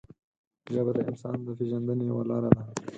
ژبه د انسان د پېژندنې یوه لاره ده